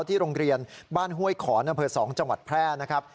ที่โรงเรียนบ้านห้วยขอนอำเภอ๒จังหวัดแพร่นะครับ